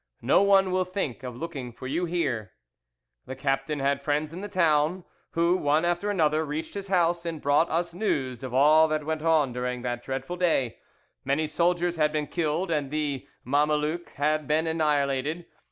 No one will think of looking for you here.' "The captain had friends in the town, who, one after another, reached his house, and brought us news of all that went on during that dreadful day. Many soldiers had been killed, and the Mamelukes had been annihilated.